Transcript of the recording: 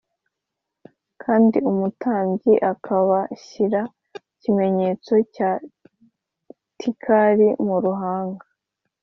kandi umutambyi akabashyira ikimenyetso cya tilak mu ruhanga